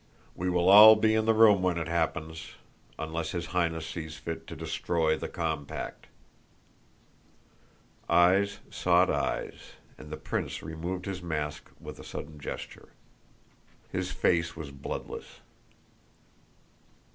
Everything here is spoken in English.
We will all be in the room when it happens, unless his Highness sees fit to destroy the compact." Eyes sought eyes, and the prince removed his mask with a sudden gesture. His face was bloodless.